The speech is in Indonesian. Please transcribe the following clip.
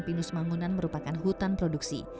pinus mangunan merupakan hutan produksi